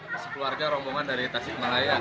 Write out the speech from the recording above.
di sekeluarga rombongan dari tasik malaya